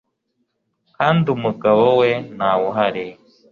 kandi umugabo we ntawuhari